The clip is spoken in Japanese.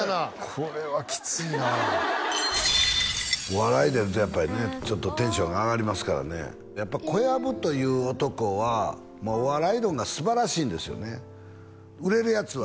これはキツいなお笑い出るとやっぱりねちょっとテンションが上がりますからねやっぱ小籔という男はお笑い論がすばらしいんですよね